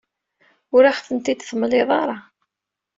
Ur aɣ-ten-id-temliḍ ara.